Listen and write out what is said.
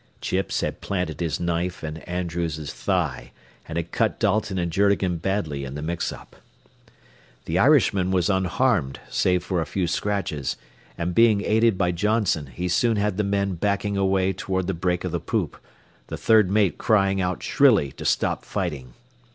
Chips had planted his knife in Andrews's thigh, and had cut Dalton and Journegan badly in the mix up. The Irishman was unharmed save for a few scratches, and being aided by Johnson, he soon had the men backing away toward the break of the poop, the third mate crying out shrilly to stop fighting.